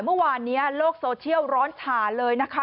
เมื่อวานนี้โลกโซเชียลร้อนฉ่าเลยนะคะ